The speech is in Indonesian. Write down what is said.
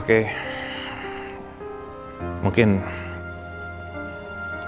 aku ulang directamente